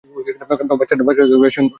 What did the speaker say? বাচ্চাটা বেশ সুন্দর।